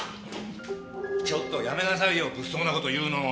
ちょっとやめなさいよ物騒な事を言うの。